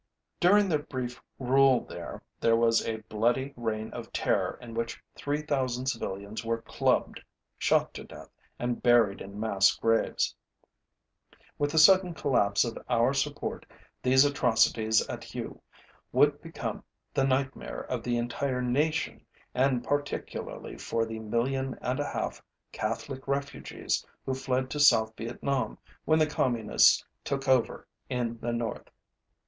During their brief rule there, there was a bloody reign of terror in which 3,000 civilians were clubbed, shot to death, and buried in mass graves. With the sudden collapse of our support, these atrocities at Hue would become the nightmare of the entire nation and particularly for the million and a half Catholic refugees who fled to South Vietnam when the Communists took over in the North.